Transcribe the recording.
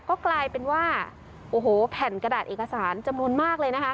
ก็กลายเป็นว่าโอ้โหแผ่นกระดาษเอกสารจำนวนมากเลยนะคะ